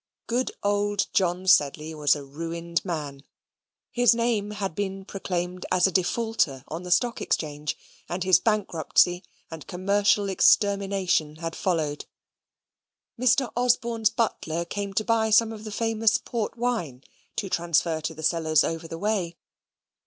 Good old John Sedley was a ruined man. His name had been proclaimed as a defaulter on the Stock Exchange, and his bankruptcy and commercial extermination had followed. Mr. Osborne's butler came to buy some of the famous port wine to transfer to the cellars over the way.